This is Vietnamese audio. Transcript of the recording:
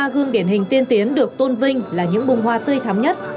sáu mươi ba gương điển hình tiên tiến được tôn vinh là những bông hoa tươi thắm nhất